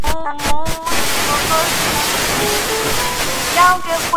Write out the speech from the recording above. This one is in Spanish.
No tiene olor distinguible y su sabor es descrito como suave o amargo.